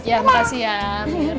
ya makasih ya mir